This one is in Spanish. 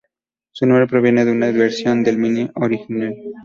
Su nombre proviene de una versión del Mini original.